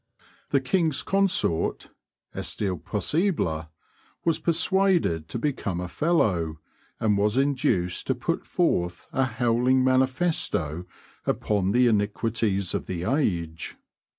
The King Consort, "Est il possible," was persuaded to become a fellow, and was induced to put forth a howling manifesto upon the iniquities of the age.